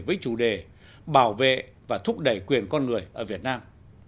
với chủ đề bảo vệ và thúc đẩy quyền con người ở việt nam